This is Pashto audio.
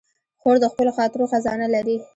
خور د خپلو خاطرو خزانه لري.